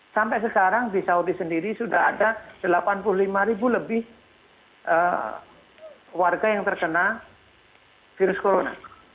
sampai sekarang di saudi sendiri sudah ada delapan puluh lima ribu lebih warga yang terkena virus corona